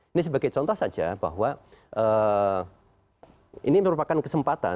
ini sebagai contoh saja bahwa ini merupakan kesempatan